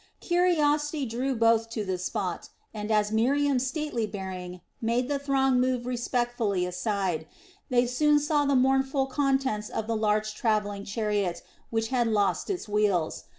Curiosity drew both to the spot, and as Miriam's stately bearing made the throng move respectfully aside, they soon saw the mournful contents of a large travelling chariot, which had lost its wheels.